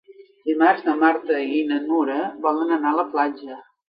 Dimarts na Marta i na Nura volen anar a la platja.